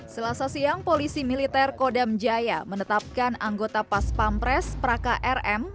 selasa siang polisi militer kodam jaya menetapkan anggota pas pampres praka rm